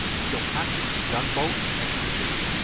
KILPATRICK'S GUNBOAT EXPEDITION.